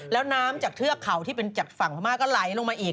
แล้วน้ำจากเทือกเขาที่เป็นจากฝั่งพม่าก็ไหลลงมาอีก